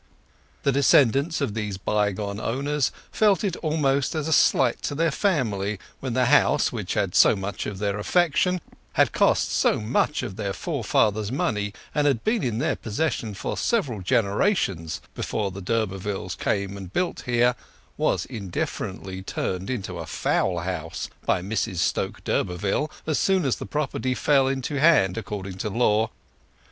The descendants of these bygone owners felt it almost as a slight to their family when the house which had so much of their affection, had cost so much of their forefathers' money, and had been in their possession for several generations before the d'Urbervilles came and built here, was indifferently turned into a fowl house by Mrs Stoke d'Urberville as soon as the property fell into hand according to law.